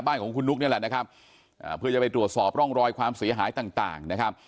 บ้านของคุณนุ๊กนี่แหละนะครับเพื่อจะไปตรวจสอบร่องรอยความเสียหายต่างต่างนะครับ